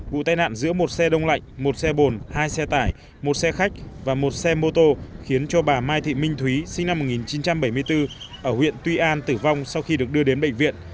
vụ tai nạn giữa một xe đông lạnh một xe bồn hai xe tải một xe khách và một xe mô tô khiến cho bà mai thị minh thúy sinh năm một nghìn chín trăm bảy mươi bốn ở huyện tuy an tử vong sau khi được đưa đến bệnh viện